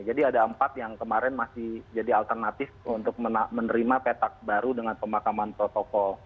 jadi ada empat yang kemarin masih jadi alternatif untuk menerima petak baru dengan pemakaman totoko